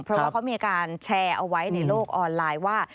เพราะว่าเขามีการแชร์เอาไว้ในโลกออนไลน์ว่า